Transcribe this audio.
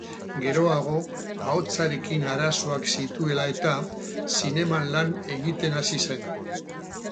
Geroago, ahotsarekin arazoak zituela eta, zineman lan egiten hasi zen.